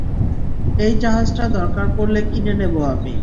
এই জাহাজটা দরকার পড়লে কিনে নেব আমি!